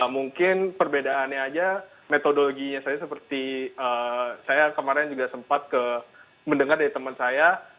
mungkin perbedaannya aja metodologinya saja seperti saya kemarin juga sempat mendengar dari teman saya